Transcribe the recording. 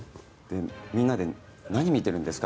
みんなで何見てるんですか？